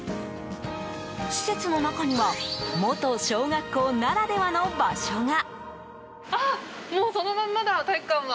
施設の中には元小学校ならではの場所が。